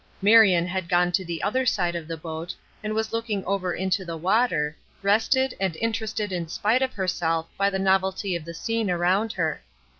Marion had gone to the other side of the boat and was looking over into the water, rested and interested in spite of herself by the novelty of the scene around her.